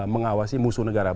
mengawasi musuh negara